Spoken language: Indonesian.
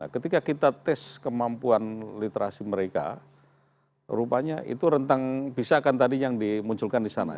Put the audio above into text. ketika kita tes kemampuan literasi mereka rupanya itu rentang bisa kan tadi yang dimunculkan di sana